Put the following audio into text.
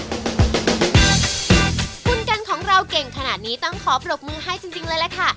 คุณกันของเราเก่งขนาดนี้ต้องขอปรบมือให้จริงเลยล่ะค่ะ